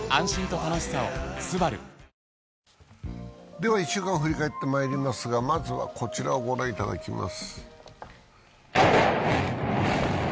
では１週間を振り返っていきますが、まずはこちらを御覧いただきます。